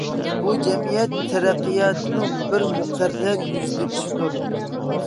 بۇ جەمئىيەت تەرەققىياتىنىڭ بىر مۇقەررەر يۈزلىنىشىدۇر.